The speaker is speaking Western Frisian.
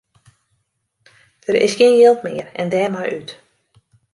Der is gjin jild mear en dêrmei út.